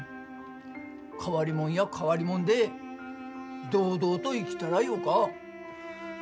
変わりもんや変わりもんで堂々と生きたらよか。